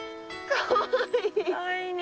かわいいね。